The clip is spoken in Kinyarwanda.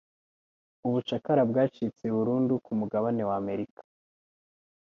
Ubucakara bwacitse burundu ku mugabane wa Amerika